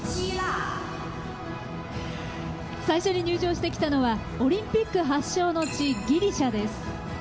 最初に入場してきたのは、オリンピック発祥の地、ギリシャです。